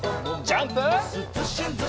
ジャンプ！